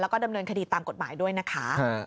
แล้วก็ดำเนินคดีตามกฎหมายด้วยนะคะ